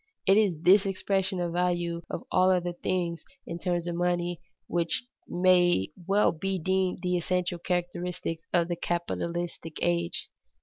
It is this expression of the value of all other things in terms of money which may well be deemed the essential characteristic of the capitalistic age.